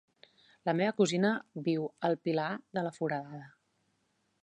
La meva cosina viu al Pilar de la Foradada.